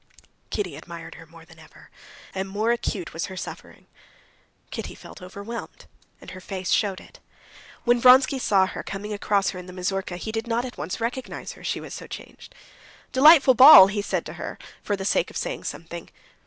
Kitty admired her more than ever, and more and more acute was her suffering. Kitty felt overwhelmed, and her face showed it. When Vronsky saw her, coming across her in the mazurka, he did not at once recognize her, she was so changed. "Delightful ball!" he said to her, for the sake of saying something.